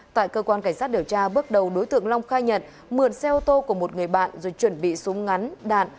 tại cơ quan cảnh sát điều tra bước đầu đối tượng long khai nhận mượn xe ô tô của một người bạn rồi chuẩn bị súng ngắn đạn